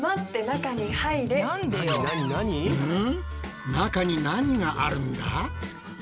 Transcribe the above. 中になにがあるんだ？